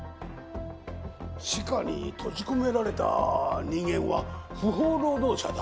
地下に閉じ込められた人間は不法労働者だ